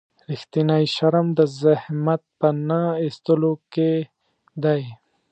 رښتینی شرم د زحمت په نه ایستلو کې دی.